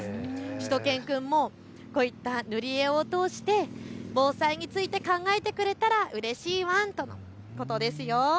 しゅと犬くんもこういった塗り絵を通して防災について考えてくれたらうれしいワンということです。